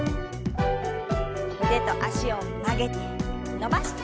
腕と脚を曲げて伸ばして。